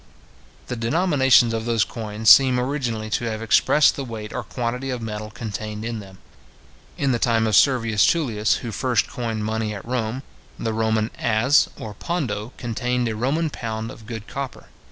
The denominations of those coins seem originally to have expressed the weight or quantity of metal contained in them. In the time of Servius Tullius, who first coined money at Rome, the Roman as or pondo contained a Roman pound of good copper.